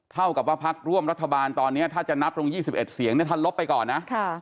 เท่ากับว่าพักร่วมรัฐบาลตอนนี้ถ้าจะนับตรง๒๑เสียงเนี่ยท่านลบไปก่อนนะ